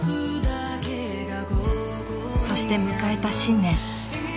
［そして迎えた新年］